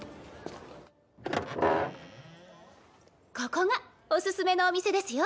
ここがオススメのお店ですよ。